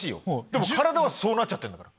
でも体はそうなっちゃってるんだから。